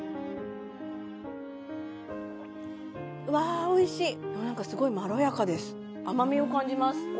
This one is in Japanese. うわおいしいなんかすごいまろやかです甘みを感じます